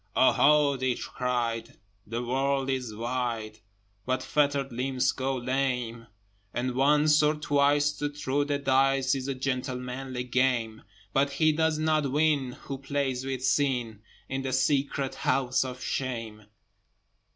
"Oho!" they cried, "The world is wide, But fettered limbs go lame! And once, or twice, to throw the dice Is a gentlemanly game, But he does not win who plays with Sin In the secret House of Shame."